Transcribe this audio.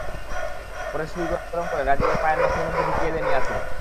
পরে সুই গরম করে রাজীবের পায়ের নখের মধ্যে ঢুকিয়ে দেন ইয়াসিন।